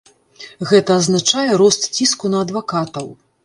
Гэта азначае рост ціску на адвакатаў.